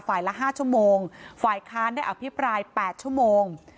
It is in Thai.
ละ๕ชั่วโมงฝ่ายค้านได้อภิปราย๘ชั่วโมง